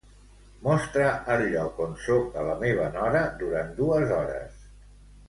Mostra el lloc on soc a la meva nora durant dues hores.